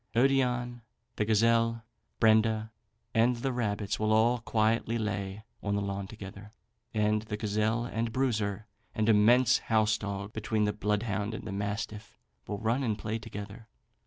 Odion, the gazelle, Brenda, and the rabbits, will all quietly lay on the lawn together, and the gazelle and Bruiser, an immense house dog between the bloodhound and mastiff, will run and play together.